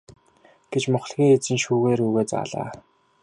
гэж мухлагийн эзэн шүүгээ рүүгээ заалаа.